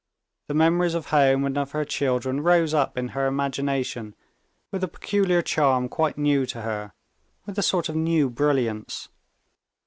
The memories of home and of her children rose up in her imagination with a peculiar charm quite new to her, with a sort of new brilliance.